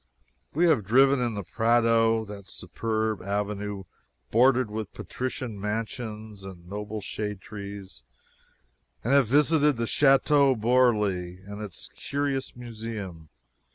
We have driven in the Prado that superb avenue bordered with patrician mansions and noble shade trees and have visited the chateau Boarely and its curious museum.